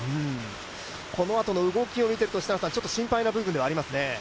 このあとの動きを見ているとちょっと心配な部分がありますね。